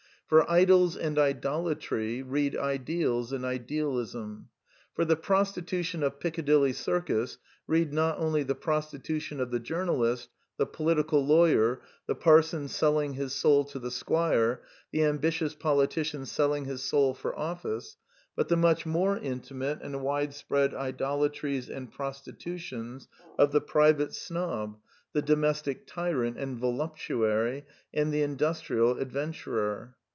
For idols and idolatry read ideals and idealism ; for the prostitution of Piccadilly Circus read not only the prostitution of the journalist, the political lawyer, the parson selling his soul to the squire, the ambitious politician selling his soul for office, but the much more intimate and wide spread idolatries and prostitutions of the private snob, the domestic tyrant and voluptuary, and the industrial adventurer.